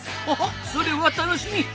おっそれは楽しみ！